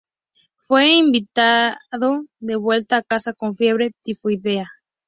Fue invalidado de vuelta a casa con fiebre tifoidea.